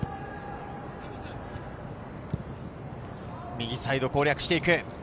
右サイドを攻略していく。